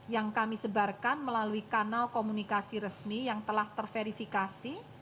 yang kami sebarkan melalui kanal komunikasi resmi yang telah terverifikasi